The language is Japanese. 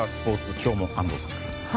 今日も安藤さんです。